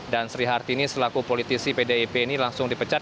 dan sri hartini selaku politisi pdip ini langsung dipengaruhi